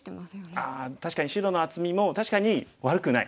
ああ確かに白の厚みも確かに悪くない。